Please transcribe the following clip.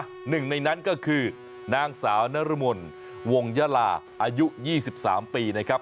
หนึ่งในนั้นก็คือนางสาวนรมลวงยลาอายุยี่สิบสามปีนะครับ